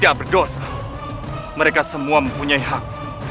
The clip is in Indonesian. aku sudah idiot